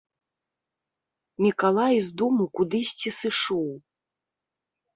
Мікалай з дому кудысьці сышоў.